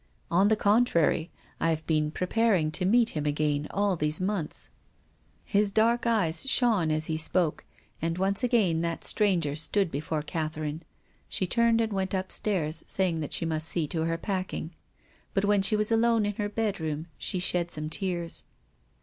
" On the contrary, I have been preparing to meet him again all these months." 148 TONGUES OF CONSCIENCE. His dark eyes shone as he spoke. And once again that stranger stood before Catherine. She turned and went upstairs, saying that she must see to her packing. But when she was alone in her bedroom she shed some tears.